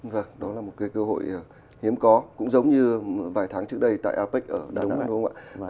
vâng đó là một cái cơ hội hiếm có cũng giống như vài tháng trước đây tại apec ở đông đông